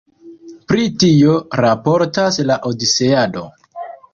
Pri tio raportas la Odiseado.